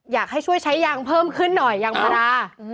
อยากให้ช่วยใช้ยางเพิ่มขึ้นหน่อยยางพารา